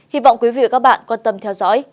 hy vọng quý vị và các bạn quan tâm theo dõi